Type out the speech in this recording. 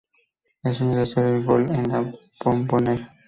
El sueño de hacer un gol en La Bombonera.